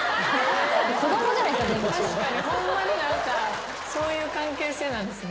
ホンマに何かそういう関係性なんですね。